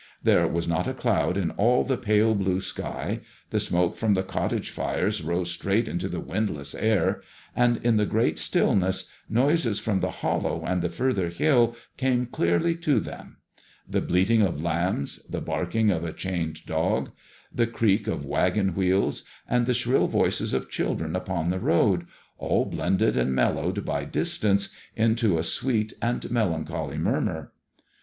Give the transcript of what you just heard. There was not a cloud in all the pale blue sky; the smoke from the cottage fires rose straight into the windless air; and in the great stillness, noises from the hollow and the further hill came clearly to them ; the bleating of lambs, the barking of a chained dog, the creak of waggon wheels, and the shrill voices of children upon the road, all blended and 3 i 30 IIADBMOISBLLB IXE. mellowed by distance into a sweet and melancholy murmur.